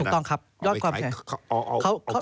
ถูกต้องครับยอดความแข็ง